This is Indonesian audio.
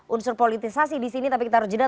unsur politisasi di sini tapi kita harus jeda